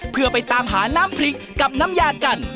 เพื่อไปตามหาน้ำพริกกับน้ำยากัน